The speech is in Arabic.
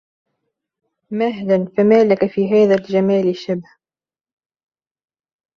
مهلا فمالك في هذا الجمال شبه